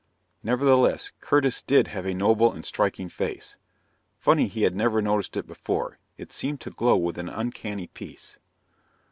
Nevertheless, Curtis did have a noble and striking face. Funny he had never noticed it before. It seemed to glow with an uncanny peace.